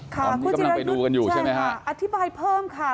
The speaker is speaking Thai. คุณจิรัยยุทธิ์อธิบายเพิ่มค่ะ